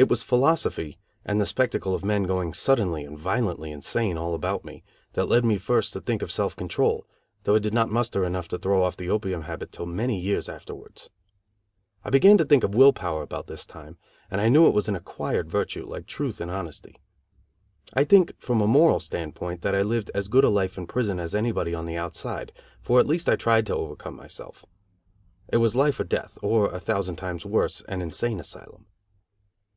It was philosophy, and the spectacle of men going suddenly and violently insane all about me, that led me first to think of self control, though I did not muster enough to throw off the opium habit till many years afterwards. I began to think of will power about this time, and I knew it was an acquired virtue, like truth and honesty. I think, from a moral standpoint, that I lived as good a life in prison as anybody on the outside, for at least I tried to overcome myself. It was life or death, or, a thousand times worse, an insane asylum.